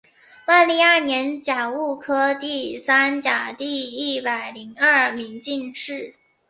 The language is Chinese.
万历二年甲戌科第三甲第一百零二名进士。